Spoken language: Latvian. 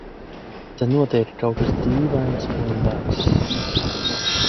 Te notiek kaut kas dīvains un baiss...